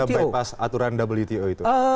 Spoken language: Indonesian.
mungkin ada bypass aturan wto itu